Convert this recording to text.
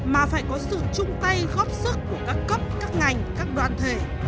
mà phải có sự chung tay góp sức của các cấp các ngành các đoàn thể